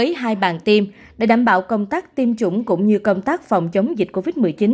lấy hai bàn tiêm để đảm bảo công tác tiêm chủng cũng như công tác phòng chống dịch covid một mươi chín